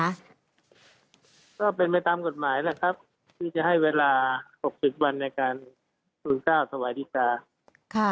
ก็เป็นไปตามกฎหมายแหละครับที่จะให้เวลา๖๐วันในการฟื้นเจ้าสวัสดีค่ะ